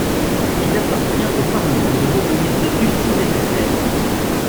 Il appartient au Parlement de revenir dessus si nécessaire.